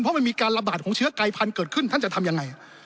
เพราะมันมีการระบาดของเชื้อไกพันธุ์เกิดขึ้นท่านจะทำยังไง